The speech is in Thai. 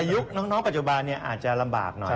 ยุคน้องปัจจุบันอาจจะลำบากหน่อย